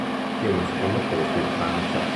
Ottiene un secondo posto in Francia.